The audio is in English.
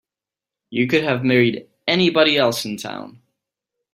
You could have married anybody else in town.